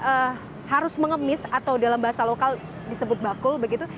apakah harus mengemis atau dalam bahasa lokal disebut bakul begitu